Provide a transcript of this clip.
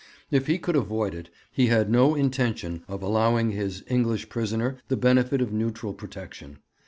If he could avoid it, he had no intention of allowing his English prisoner the benefit of neutral protection.